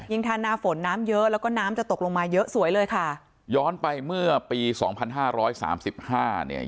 ท่านหน้าฝนน้ำเยอะแล้วก็น้ำจะตกลงมาเยอะสวยเลยค่ะย้อนไปเมื่อปีสองพันห้าร้อยสามสิบห้าเนี่ย